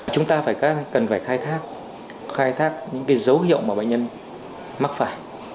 chúng ta cần phải khai thác những dấu hiệu mà bệnh nhân mắc phải